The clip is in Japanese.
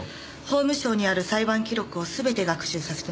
法務省にある裁判記録を全て学習させてます。